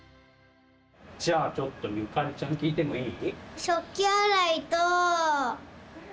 じゃあちょっとゆかりちゃん聞いてもいい？